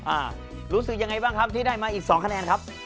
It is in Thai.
อ่ารู้สึกยังไงบ้างครับที่ได้มาอีกสองคะแนนครับ